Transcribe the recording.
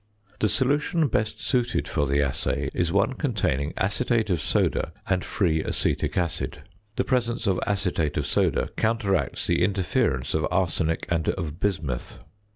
The solution best suited for the assay is one containing acetate of soda and free acetic acid. The presence of acetate of soda counteracts the interference of arsenic and of bismuth.